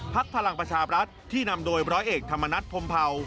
พลังประชาบรัฐที่นำโดยร้อยเอกธรรมนัฐพรมเผา